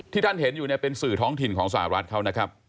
ท่านเห็นอยู่เนี่ยเป็นสื่อท้องถิ่นของสหรัฐเขานะครับ